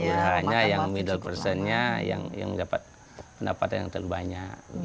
sementara usahanya yang middle personnya yang dapat pendapat yang terlalu banyak